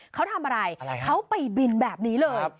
เขาทำอะไรเขาไปบินแบบนี้เลย